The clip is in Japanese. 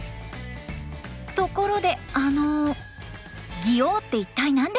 ところであの戯王って一体何ですか？